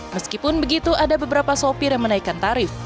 meskipun begitu ada beberapa sopir yang menaikkan tarif